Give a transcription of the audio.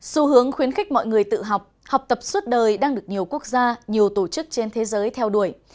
xu hướng khuyến khích mọi người tự học học tập suốt đời đang được nhiều quốc gia nhiều tổ chức trên thế giới theo đuổi